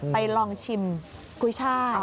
ไปลองชิมกุ้ยชาย